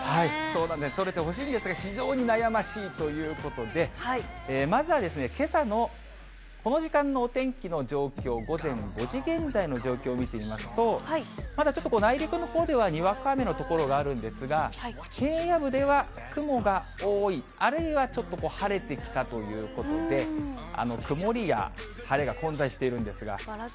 そうなんです、取れてほしいんですが、非常に悩ましいということで、まずはけさのこの時間のお天気の状況、午前５時現在の状況を見てみますと、まだちょっと内陸のほうではにわか雨の所があるんですが、平野部では雲が多い、あるいはちょっと晴れてきたということで、曇りや晴れが混在しているんですが。